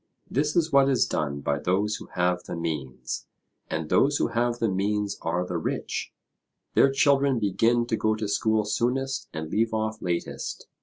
This is what is done by those who have the means, and those who have the means are the rich; their children begin to go to school soonest and leave off latest.